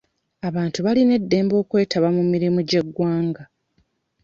Abantu balina eddembe okwetaba mu mirimu gy'eggwanga.